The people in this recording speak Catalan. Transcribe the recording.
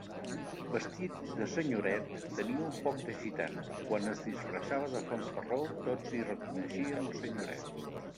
Vestit de senyoret, tenia un poc de gitano; quan es disfressava de fanfarró, tots hi reconeixien el senyoret.